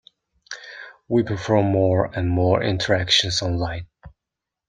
We perform more and more interactions online.